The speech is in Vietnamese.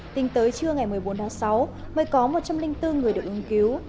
tính tới trưa ngày một mươi bốn tháng sáu mới có một trăm linh bốn người được ứng cứu